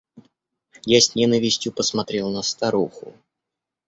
Я с ненавистью посмотрел на старуху.